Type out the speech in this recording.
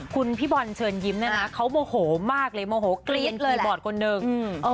คุณพี่บอลเชิญยิ้มเนี่ยนะเขาโมโหมากเลยโมโหกรี๊ดเลยบอร์ดคนหนึ่ง